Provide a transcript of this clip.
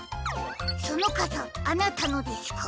そのかさあなたのですか？